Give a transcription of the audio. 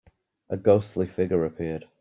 A ghostly figure appeared.